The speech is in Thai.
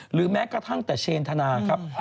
แม้กระทั่งแต่เชนธนาครับ